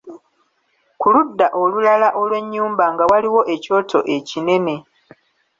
Ku ludda olulala olw'ennyumba nga waliwo ekyoto ekinene.